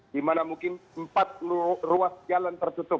di mana mungkin empat ruas jalan tertutup